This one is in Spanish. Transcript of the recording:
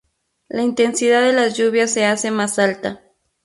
La intensidad de las lluvias se hace más alta.